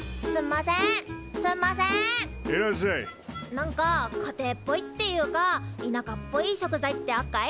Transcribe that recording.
何か家庭っぽいっていうかいなかっぽい食材ってあっかい？